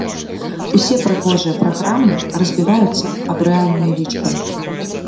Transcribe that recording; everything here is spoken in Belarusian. Усе прыгожыя праграмы разбіваюцца аб рэальныя лічбы.